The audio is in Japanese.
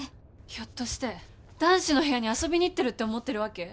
ひょっとして男子の部屋に遊びに行ってるって思ってるわけ？